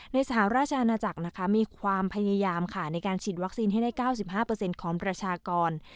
สหราชอาณาจักรนะคะมีความพยายามในการฉีดวัคซีนให้ได้๙๕ของประชากร